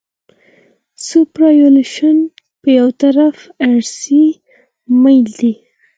سوپرایلیویشن یو طرفه عرضي میل دی